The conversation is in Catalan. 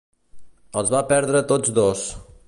Els va perdre tots dos.